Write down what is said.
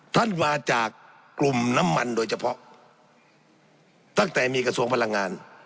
ท่านมาจากกลุ่มน้ำมันโดยเฉพาะตั้งแต่มีกระทรวงพลังงาน